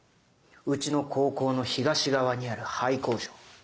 うちの高校の東側にある廃工場。